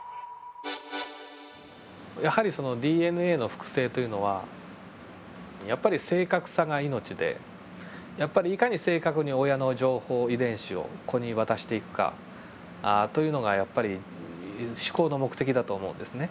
やはりＤＮＡの複製というのはやっぱり正確さが命でいかに正確に親の情報遺伝子を子に渡していくかというのがやっぱり至高の目的だと思うんですね。